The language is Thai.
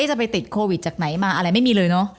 จะไปติดโควิดจากไหนมาอะไรไม่มีเลยเนอะ